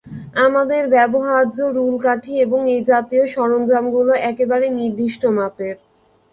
আমাদের ব্যবহার্য রুলকাঠি এবং এইজাতীয় সরঞ্জামগুলো একেবারে নির্দিষ্ট মাপের।